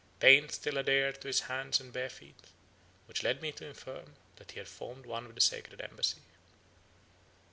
Paint still adhered to his hands and bare feet, which led me to infer that he had formed one of the sacred embassy.